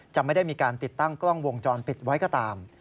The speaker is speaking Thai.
จะไม่ได้มีการติดตั้งกล้องวงจรปิดไว้ก็ตาม